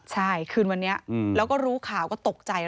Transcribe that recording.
ใช่คืนวันนี้แล้วก็รู้ข่าวก็ตกใจ